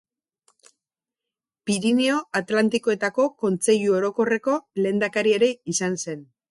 Pirinio Atlantikoetako Kontseilu Orokorreko lehendakaria ere izan zen.